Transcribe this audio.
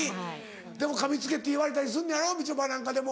でもかみつけって言われたりすんのやろみちょぱなんかでも。